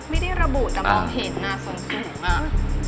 ไม่ได้ระบุแต่มองเห็นอ่ะสูงอ่ะ